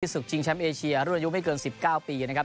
วิสุทธิ์จิงแชมป์เอเชียรุ่นยุคไม่เกิน๑๙ปีนะครับ